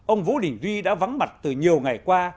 ông vũ đình duy đã vắng mặt từ nhiều ngày qua